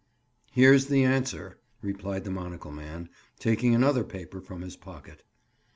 "Here's the answer," replied the monocle man, taking another paper from his pocket.